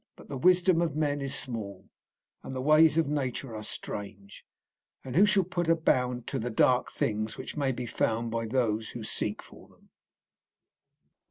But the wisdom of men is small, and the ways of nature are strange, and who shall put a bound to the dark things which may be found by those who seek for them?